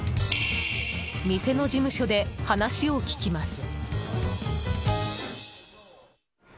店の事務所で話を聞きます。